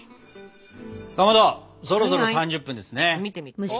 かまどそろそろ３０分ですね。